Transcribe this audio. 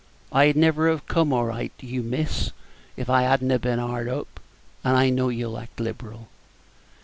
I'd never have come anigh you, miss, if I had n't been hard up, and I know you'll act liberal."